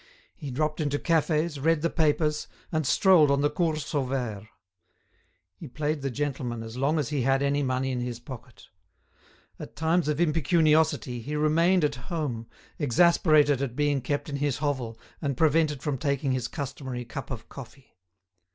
He dropped into cafes, read the papers, and strolled on the Cours Sauvaire. He played the gentleman as long as he had any money in his pocket. At times of impecuniosity he remained at home, exasperated at being kept in his hovel and prevented from taking his customary cup of coffee.